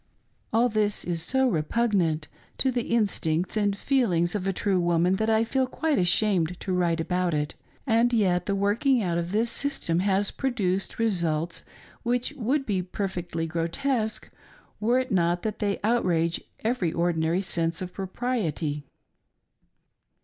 All this is so repugnant to the instincts and feelings of a true woman, that I feel quite ashamed to write about it. And yet the working out of this system has produced results which would be perfectly grotesque were it not that they outrage every ordinary sense of propriety.